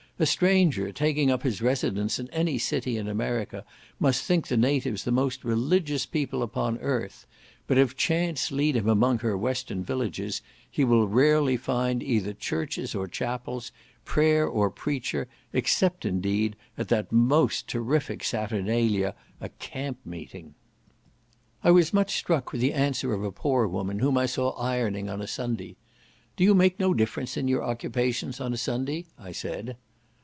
A stranger taking up his residence in any city in America must think the natives the most religious people upon earth; but if chance lead him among her western villages, he will rarely find either churches or chapels, prayer or preacher; except, indeed, at that most terrific saturnalia, "a camp meeting." I was much struck with the answer of a poor woman, whom I saw ironing on a Sunday. "Do you make no difference in your occupations on a Sunday?" I said.